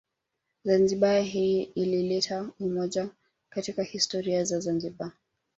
Zanzibar hii ilileta umoja katika historia ya zanzibar